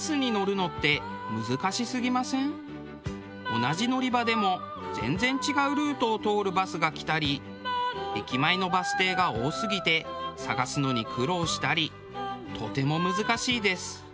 同じ乗り場でも全然違うルートを通るバスが来たり駅前のバス停が多すぎて探すのに苦労したりとても難しいです。